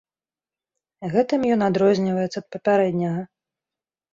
Гэтым ён адрозніваецца ад папярэдняга.